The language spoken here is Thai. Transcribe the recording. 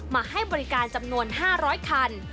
มาให้บริการจำนวน๕๐๐คัน